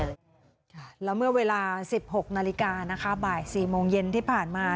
แล้วเมื่อเวลาสิบหกนาฬิกานะคะบ่าย๔โมงเย็นที่ผ่านมา